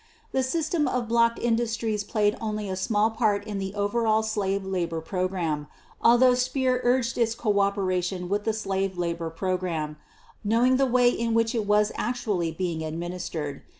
The system of blocked industries played only a small part in the over all slave labor program, although Speer urged its cooperation with the slave labor program, knowing the way in which it was actually being administered.